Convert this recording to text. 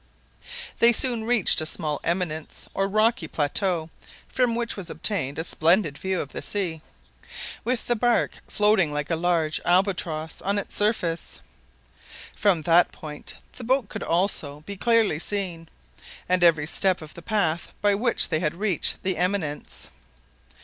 They soon reached a small eminence or rocky plateau, from which was obtained a splendid view of the sea, with the barque floating like a large albatross on its surface. From that point the boat could also be clearly seen, and every step of the path by which they had reached the eminence.